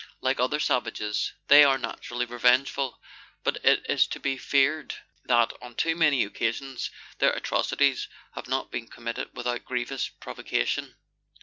Like other savages, they are naturally revengeful, but it is to be feared that on too many occasions their atrocities have not been committed without grievous provocation.